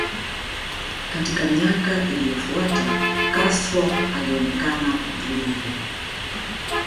Katika miaka iliyofuata Castro alionekana mtulivu